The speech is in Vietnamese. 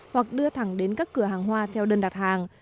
hoặc đưa thẳng đến các cửa hàng hoa theo đơn đặt hàng